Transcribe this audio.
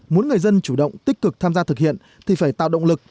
muốn người dân chủ động tích cực tham gia thực hiện thì phải tạo động lực